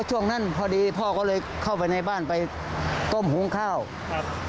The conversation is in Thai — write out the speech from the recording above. ช่วงนั้นพอดีพ่อก็เลยเข้าไปในบ้านไปต้มหุงข้าวครับ